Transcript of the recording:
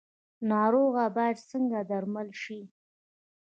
ناروغه باید څنګه درمل شي؟